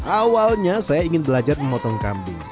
awalnya saya ingin belajar memotong kambing